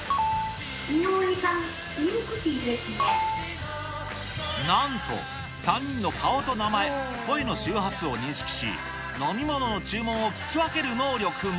井上さん、なんと、３人の顔と名前、声の周波数を認識し、飲み物の注文を聞き分ける能力も。